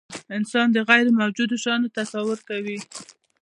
انسان د غیرموجودو شیانو تصور کوي.